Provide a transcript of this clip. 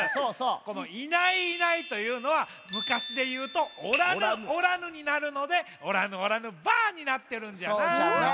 この「いないいない」というのはむかしでいうと「おらぬおらぬ」になるので「おらぬおらぬばぁ」になってるんじゃな。